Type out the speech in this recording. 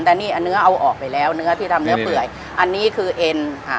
แต่นี่เนื้อเอาออกไปแล้วเนื้อที่ทำเนื้อเปื่อยอันนี้คือเอ็นค่ะ